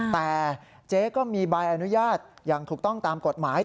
แต่เจ๊ก็มีใบอนุญาตอย่างถูกต้องตามกฎหมาย